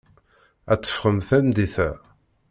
Ad teffɣem tameddit-a.